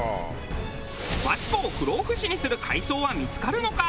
マツコを不老不死にする海藻は見付かるのか？